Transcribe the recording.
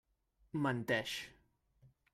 Menteix.